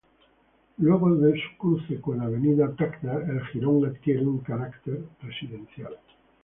Luego de su cruce con la Avenida Tacna el jirón adquiere un caracter residencial.